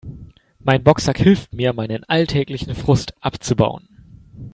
Mein Boxsack hilft mir, meinen alltäglichen Frust abzubauen.